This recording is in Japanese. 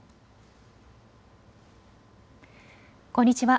こんにちは。